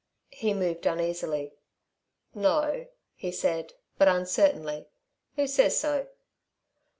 He moved, uneasily. "No," he said, but uncertainly. "Who says so?"